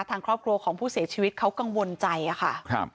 ทางครอบครัวของผู้เสียชีวิตเขากังวลใจอะค่ะครับ